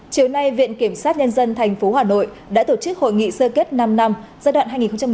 chiều nay viện kiểm sát nhân dân tp hà nội đã tổ chức hội nghị sơ kết năm năm giai đoạn hai nghìn một mươi sáu hai nghìn hai mươi